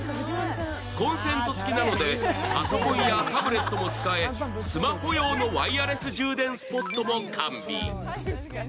コンセント付きなので、パソコンやタブレットも使え、スマホ用のワイヤレス充電スポットも完備。